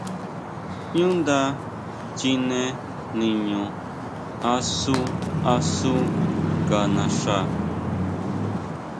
ʼÑú nda chine niño asu asu ka naxa.